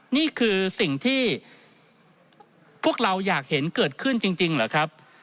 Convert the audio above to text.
นี่คือสิ่งที่พวกเราอยากเห็นเกิดขึ้นจริงเหรอครับ